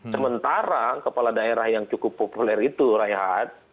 sementara kepala daerah yang cukup populer itu rehat